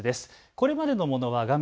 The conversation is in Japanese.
これまでのものは画面